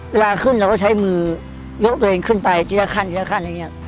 เวลาขึ้นเราก็ใช้มือยกตัวเองขึ้นไปทีละขั้นทีละขั้นอะไรอย่างนี้